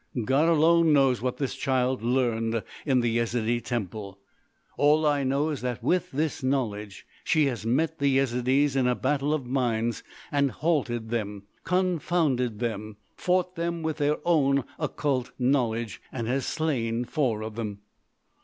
"God alone knows what this child learned in the Yezidee Temple. All I know is that with this knowledge she has met the Yezidees in a battle of minds, has halted them, confounded them, fought them with their own occult knowledge, and has slain four of them."